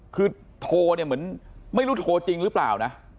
คือโทรจริงหรือเปล่านะ